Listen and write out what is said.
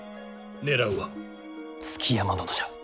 狙うは築山殿じゃ。